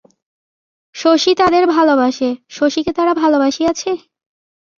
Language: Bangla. শশী তাদের ভালোবাসে, শশীকে তারা ভালোবাসিয়াছে?